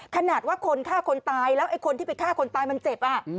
ขนาดว่าคนฆ่าคนตายแล้วไอ้คนที่ไปฆ่าคนตายมันเจ็บ